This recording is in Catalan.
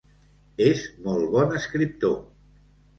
És molt bon escriptor.